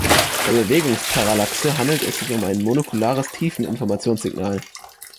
Bei Bewegungsparallaxe handelt es sich um ein monokulares Tiefeninformationssignal.